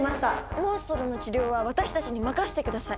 モンストロの治療は私たちに任せてください！